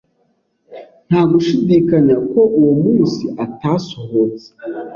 Nta gushidikanya ko uwo munsi atasohotse.